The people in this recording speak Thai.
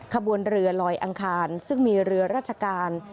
ขบวนเรือลอยอังคารซึ่งมีเรือราชการ